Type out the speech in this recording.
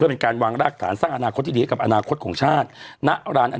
ภูเป็นการวางรากฐานสร้างอนาคตที่ดีกับอนาคตของชาติณรานอเนกประสงค์บริษัทน้ำตาลเอรวรน